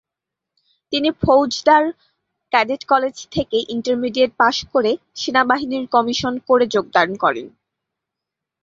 তিনি Fauzdarhat cadet college থেকে intermediate pass করে সেনাবাহিনীর কমিশন কোরে যোগদান করেন।